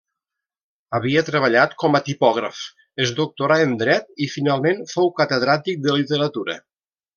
Havia treballat com a tipògraf, es doctorà en dret i finalment fou catedràtic de literatura.